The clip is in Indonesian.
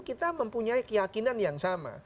kita mempunyai keyakinan yang sama